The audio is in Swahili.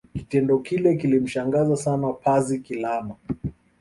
Kitendo kile kilimshangaza sana Pazi Kilama